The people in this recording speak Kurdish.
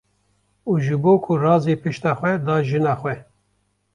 ....’’ û ji bo ku razê pişta xwe da jina xwe.